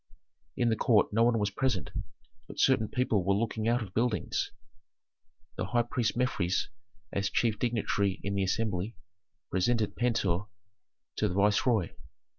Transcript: In the court no one was present, but certain people were looking out of buildings. The high priest Mefres, as chief dignitary in the assembly, presented Pentuer to the viceroy.